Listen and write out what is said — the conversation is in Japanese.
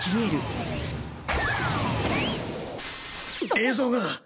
映像が！